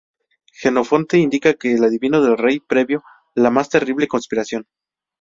Jenofonte indica que el adivino del rey previó "la más terrible conspiración"".